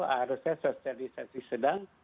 harusnya social distancing sedang